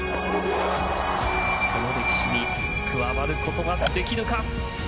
その歴史に加わることができるか。